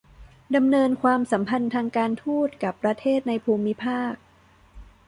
ดำเนินความสัมพันธ์ทางการทูตกับประเทศในภูมิภาค